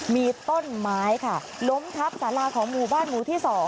มีต้นไม้ค่ะล้มทับสาราของหมู่บ้านหมู่ที่๒